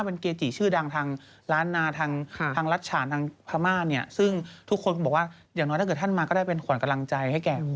เป็นยังไงบ้างคะตกลงซึ่งกันข้วาพอมาถึงมานี่ไหม